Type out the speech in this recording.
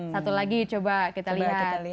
satu lagi coba kita lihat